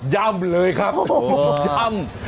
่ำเลยครับย่ำ